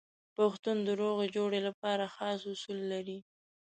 پښتون د روغې جوړې لپاره خاص اصول لري.